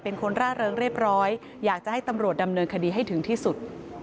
เป็นคนร่าเริงเรียบร้อยอยากจะให้ตำรวจดำเนินคดีให้ถึงที่สุด